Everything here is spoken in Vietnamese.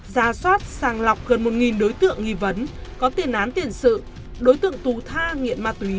ra soát sàng lọc gần một đối tượng nghi vấn có tiền án tiền sự đối tượng tù tha nghiện ma túy